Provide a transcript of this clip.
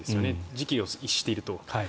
時機を逸していると。